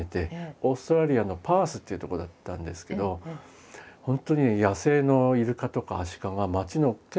オーストラリアのパースっていうとこだったんですけど本当に野生のイルカとかアシカが街の結構近くにいるんですね。